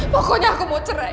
pokoknya aku mau cerai